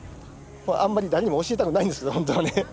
あんまり誰にも教えたくないんですけど本当はね。